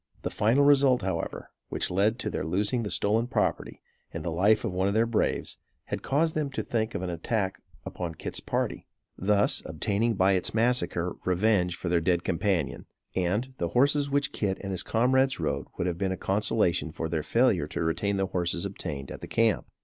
The final result, however, which led to their losing the stolen property, and the life of one of their braves, had caused them to think of an attack upon Kit's party; thus, obtaining by its massacre, revenge for their dead companion; and, the horses which Kit and his comrades rode would have been a consolation for their failure to retain the horses obtained at the camp.